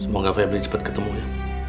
semoga febri cepat ketemu ya